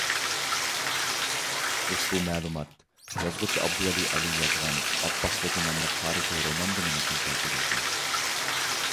ئۇشبۇ مەلۇمات، يازغۇچى ئابدۇۋەلى ئەلى يازغان «ئاپاق خوجا» ناملىق تارىخىي روماندىمۇ نەقىل كەلتۈرۈلگەن.